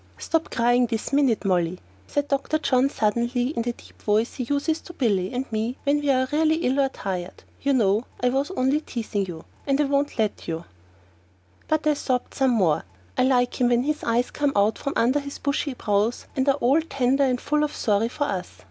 "Stop crying this minute, Molly," said Dr. John suddenly in the deep voice he uses to Billy and me when we are really ill or tired. "You know I was only teasing you and I won't let you " But I sobbed some more. I like him when his eyes come out from under his bushy brows and are all tender and full of sorry for us.